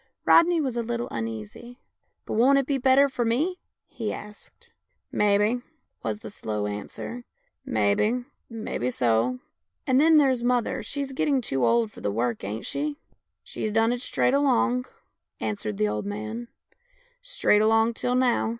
Rodney was a little uneasy. " But won't it be better for me? " he asked. " Mebbe," was the slow answer, " mebbe, mebbe so." " And then there's mother, she's getting too old for the work, ain't she? "" She's done it straight along," answered the old man, " straight along till now."